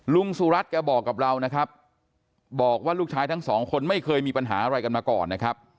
สุรัตนแกบอกกับเรานะครับบอกว่าลูกชายทั้งสองคนไม่เคยมีปัญหาอะไรกันมาก่อนนะครับ